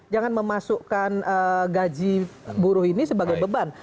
jangan memasukkan gaji buruh ini sebagai beban